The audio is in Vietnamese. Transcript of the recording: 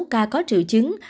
một sáu ca có triệu chứng